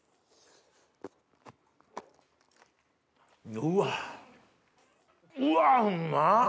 うわうわうま！